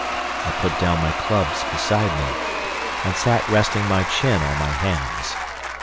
I put down my clubs beside me, and sat resting my chin on my hands.